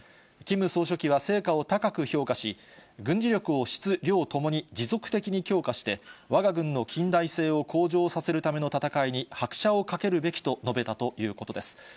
キム総書記は成果を高く評価し、軍事力を質・量ともに持続的に強化して、わが軍の近代性を向上させるための闘いに拍車をかけるべきと述べたということです。